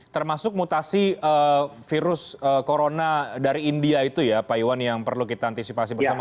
termasuk mutasi virus corona dari india itu ya pak iwan yang perlu kita antisipasi bersama